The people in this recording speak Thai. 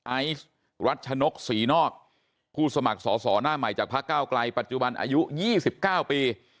ไอซ์รัชนกศรีนอกผู้สมัครสอสอหน้าใหม่จากพระเก้าไกลปัจจุบันอายุ๒๙ปี